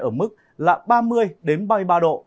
ở mức là ba mươi ba mươi ba độ